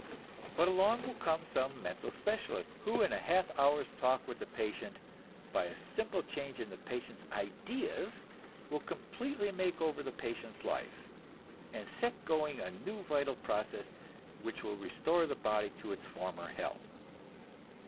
But along will come some mental specialist, who in a half hour's talk with the patient, by a simple change in the patient's ideas, will completely make over the patient's life, and set going a new vital process which will restore the body to its former health.